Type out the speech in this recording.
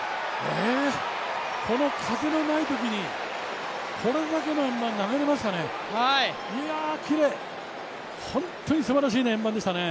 この風のないときに、これだけの円盤、投げれますかね、いやきれい、本当にすばらしい円盤でしたね。